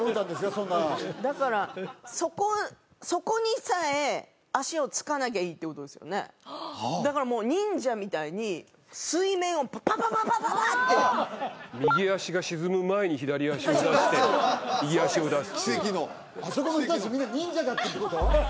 そんなだから底底にさえ足をつかなきゃいいってことですよねだからもう忍者みたいに水面をパパパパパパッて右足が沈む前に左足を出してそうですあそこの人達みんな忍者だったってこと？